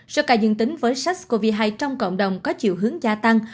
do ca dân tính với sars cov hai trong cộng đồng có chiều hướng gia tăng